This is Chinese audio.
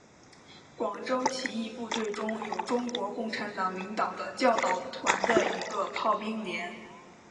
广州起义部队中有中国共产党领导的教导团的一个炮兵连。